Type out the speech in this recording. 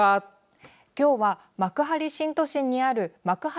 今日は幕張新都心にある幕張